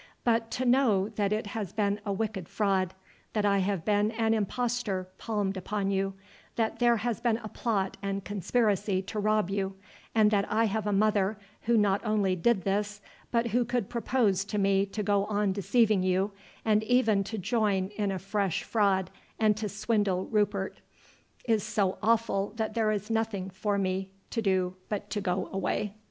But to know that it has been a wicked fraud, that I have been an impostor palmed upon you, that there has been a plot and conspiracy to rob you, and that I have a mother who not only did this, but who could propose to me to go on deceiving you, and even to join in a fresh fraud and to swindle Rupert, is so awful that there is nothing for me to do but to go away.